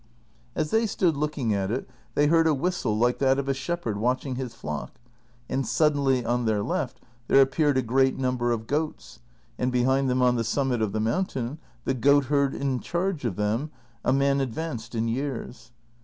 As they stood looking at it they heard a whistle like that of a shepherd watching his flock, and suddenly on their left there appeared a great number of goats, and behind them on the summit of the mountain the goatherd in charge of them, a man advanced in years.